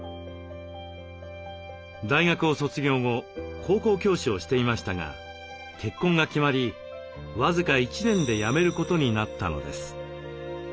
大学を卒業後高校教師をしていましたが結婚が決まり僅か１年でやめることになったのです。